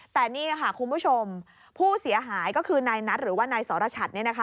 แต่นี่ค่ะคุณผู้ชมผู้เสียหายก็คือนายนัทหรือว่านายสรชัดเนี่ยนะคะ